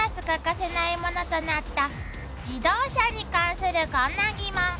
「欠かせないものとなった」「自動車に関するこんな疑問」